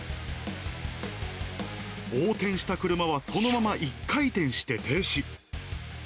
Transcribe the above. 横転した車はそのまま１回転して停止。